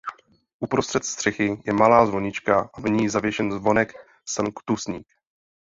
Uprostřed střechy je malá zvonička a v ní zavěšen zvonek sanktusník.